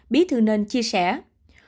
bí thư nên cho biết